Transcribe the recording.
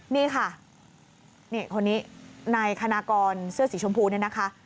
นี่ค่ะนี่คนนี้นายคณากรเสื้อสีชมพูเนี่ยนะคะ